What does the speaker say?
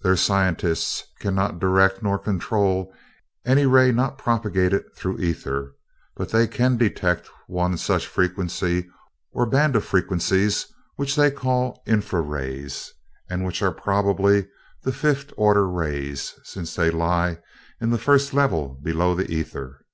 Their scientists cannot direct nor control any ray not propagated through ether, but they can detect one such frequency or band of frequencies which they call 'infra rays' and which are probably the fifth order rays, since they lie in the first level below the ether.